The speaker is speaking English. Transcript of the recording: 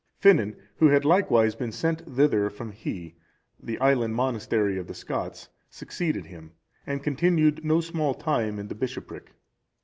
Finan,(372) who had likewise been sent thither from Hii, the island monastery of the Scots, succeeded him, and continued no small time in the bishopric.